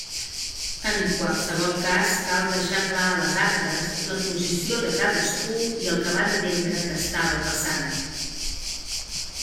En qualsevol cas cal deixar clar a les actes la posició de cadascú i el que va entendre que estava passant.